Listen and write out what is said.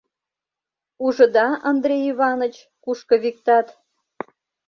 — Ужыда, Андрей Иваныч, кушко виктат!